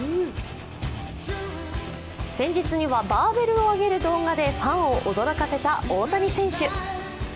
先日には、バーベルを上げる動画でファンを驚かせた大谷選手。